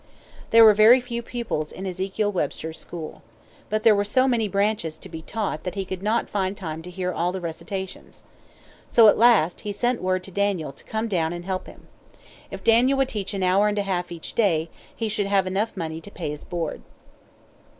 There were very few pupils in Ezekiel Webster's school. But there were so many branches to be taught that he could not find time to hear all the recitations. So, at last, he sent word to Daniel to come down and help him. If Daniel would teach an hour and a half each day, he should have enough money to pay his board.